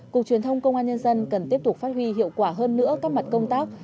cục truyền thông công an nhân dân cần tiếp tục phát huy hiệu quả hơn nữa các mặt công tác